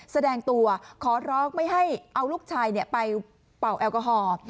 แสดงตัวขอร้องไม่ให้เอาลูกชายไปเป่าแอลกอฮอล์